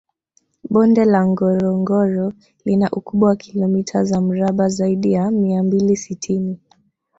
Bonde la Ngorongoro lina ukubwa wa kilomita za mraba zaidi ya mia mbili sitini